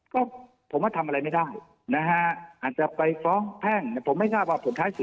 ก็ผมว่าทำอะไรไม่ได้